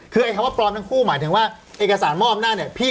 คือไอ้คำว่าปลอมทั้งคู่หมายถึงว่าเอกสารมอบอำนาจเนี่ย